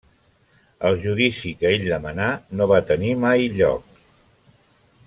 El judici, que ell demanà, no va tenir mai lloc.